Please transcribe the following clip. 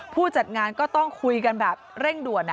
ผู้จัดงานก็ต้องคุยกันแบบเร่งด่วน